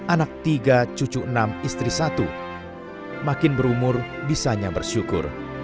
anak tiga cucu enam istri satu makin berumur bisanya bersyukur